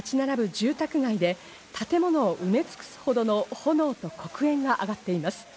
住宅街で建物を埋め尽くすほどの炎と黒煙が上がっています。